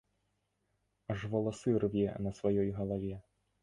Аж валасы рве на сваёй галаве.